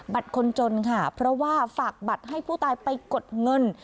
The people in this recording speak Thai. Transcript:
คนจนค่ะเพราะว่าฝากบัตรให้ผู้ตายไปกดเงิน